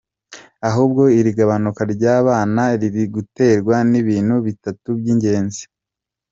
Ahubwo iri gabanuka ry'abana riri guterwa n'ibintu bitatu by'ingenzi:.